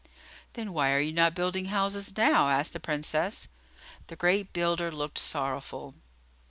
"Then why are you not building houses now?" asked the Princess. The great builder looked sorrowful.